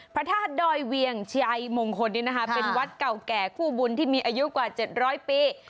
พระธาตุดอยเวียงชัยมงคลเป็นวัดเก่าแก่คู่บุญที่มีอายุกว่า๗๐๐ปี